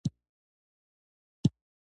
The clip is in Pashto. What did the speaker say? د رنګ کنټرولونکو حجرې